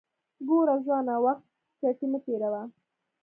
ګوره ځوانه وخت چټي مه تیروه